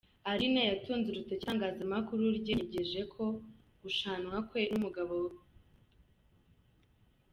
Aline yatunze urutoki itangazamakuru ryenyegeje gushwana kwe n’umugabo we.